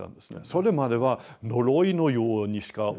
それまでは呪いのようにしか思えなかった。